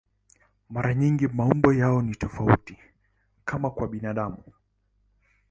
Mara nyingi maumbo yao ni tofauti, kama kwa binadamu.